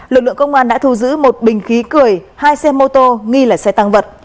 lực lượng công an đã thu giữ một bình khí cười hai xe mô tô nghi là xe tăng vật